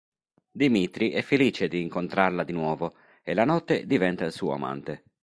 Dimitri è felice di incontrarla di nuovo e la notte diventa il suo amante.